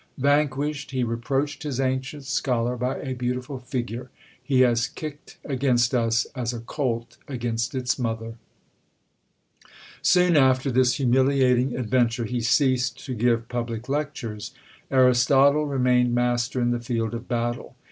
Vanquished, he reproached his ancient scholar by a beautiful figure: "He has kicked against us as a colt against its mother." Soon after this humiliating adventure he ceased to give public lectures. Aristotle remained master in the field of battle.